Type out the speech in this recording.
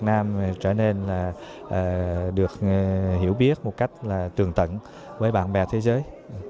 việt nam trở nên được hiểu biết một cách tường tẩn với bạn bè thế giới